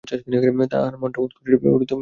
তাঁহার মনটা উৎকণ্ঠিত হইয়া উঠিল।